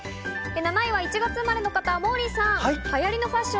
７位は１月生まれの方、モーリーさん。